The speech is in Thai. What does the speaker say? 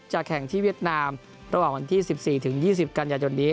แข่งที่เวียดนามระหว่างวันที่๑๔๒๐กันยายนนี้